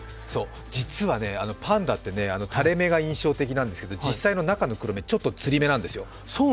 実はパンダって垂れ目が印象的なんですけど、実際の中の黒目、ちょっとつり目なんですよ。